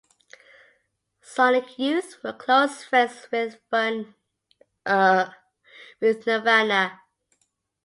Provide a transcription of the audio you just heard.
Sonic Youth were close friends with Nirvana.